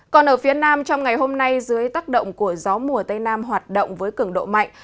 còn ở phía nam trong ngày hôm nay dưới tác động của gió mùa tây nam hoạt động với cường độ mạnh